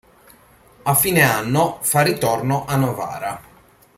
A fine anno fa ritorno a Novara.